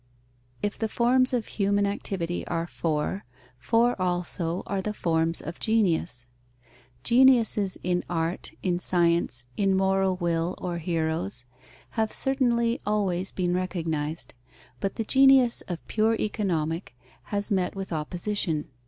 _ If the forms of human activity are four, four also are the forms of genius. Geniuses in art, in science, in moral will or heroes, have certainly always been recognized. But the genius of pure Economic has met with opposition.